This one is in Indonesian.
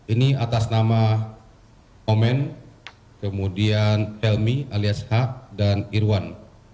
ini atas nama omen kemudian helmi alias h dan irwan